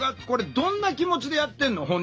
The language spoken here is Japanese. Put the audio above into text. これどんな気持ちでやってんの？